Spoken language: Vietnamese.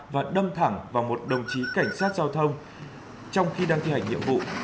và đâm thẳng vào một đồng chí cảnh sát giao thông trong khi đang thi hành nhiệm vụ